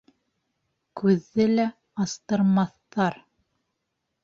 Күҙҙе лә астырмаҫтар.